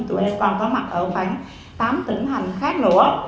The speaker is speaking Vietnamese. tụi em còn có mặt ở khoảng tám tỉnh hành khác nữa